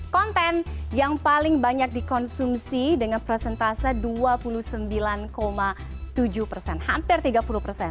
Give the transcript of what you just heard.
konten yang paling banyak dikonsumsi dengan presentase dua puluh sembilan tujuh persen hampir tiga puluh persen